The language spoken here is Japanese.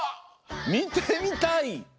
みてみたい！